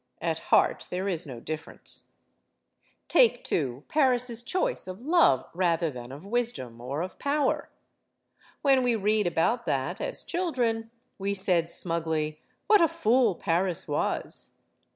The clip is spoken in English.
At heart, there is no difference. Take, too, Paris* choice of love, rather than of wis dom or of power. When we read about that, as children, we said smugly: "What a fool Paris was!"